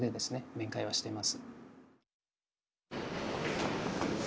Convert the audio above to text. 面会はしてます。